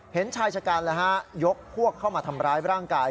เห็นชายชะกันยกพวกเข้ามาทำร้ายร่างกาย